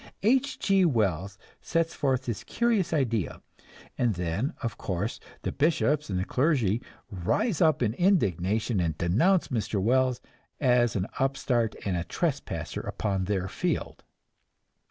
H. G. Wells sets forth this curious idea; and then, of course, the bishops and the clergy rise up in indignation and denounce Mr. Wells as an upstart and trespasser upon their field.